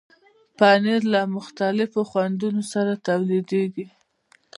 پنېر له مختلفو خوندونو سره تولیدېږي.